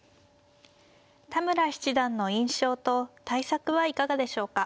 田村七段の印象と対策はいかがでしょうか。